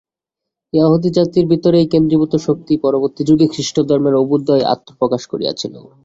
য়াহুদী জাতির ভিতরে এই কেন্দ্রীভূত শক্তি পরবর্তী যুগে খ্রীষ্টধর্মের অভ্যুদয়ে আত্মপ্রকাশ করিয়াছিল।